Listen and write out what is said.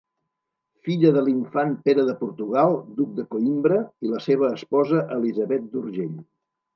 Filla de l'infant Pere de Portugal, duc de Coïmbra, i la seva esposa Elisabet d'Urgell.